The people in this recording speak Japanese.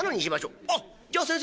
あっじゃあ先生